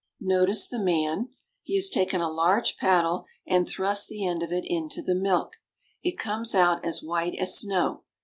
Notice the man. He has taken a long paddle and thrust the end of it into the milk. It comes out as white as snow.